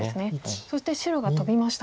そして白がトビました。